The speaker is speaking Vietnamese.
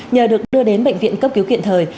nhờ được đưa đến bệnh viện cấp cứu kiện thời